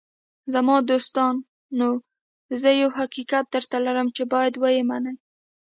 “زما دوستانو، زه یو حقیقت درته لرم چې باید یې ومنئ.